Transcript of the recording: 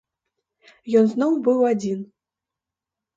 Ён зноў быў адзін.